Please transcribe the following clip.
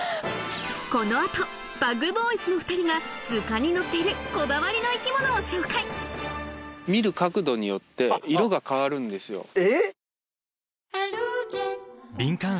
この後ＢｕｇＢｏｙｓの２人が図鑑に載っているこだわりの生き物を紹介見る角度によって色が変わるんですよ。